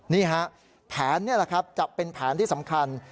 นี่ฮะแผนนี่แหละครับจะเป็นแผนที่สำคัญ